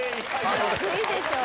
得意でしょう